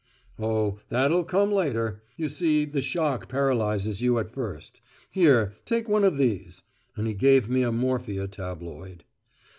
"Oh, that'll come later. You see the shock paralyses you at first. Here, take one of these." And he gave me a morphia tabloid.